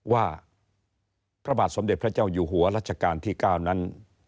ว่าพระบาทสมเด็จพระเจ้าอยู่หัวรัชกาลที่๙นั้น